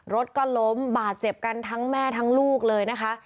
รถก็ล้มบาดเจ็บกันทั้งแม่ทั้งลูกเลยนะคะ